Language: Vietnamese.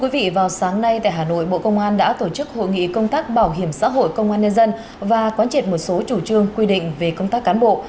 vào sáng nay tại hà nội bộ công an đã tổ chức hội nghị công tác bảo hiểm xã hội công an nhân dân và quán triệt một số chủ trương quy định về công tác cán bộ